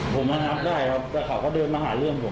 ผมมานับได้ครับแต่เขาก็เดินมาหาเรื่องผม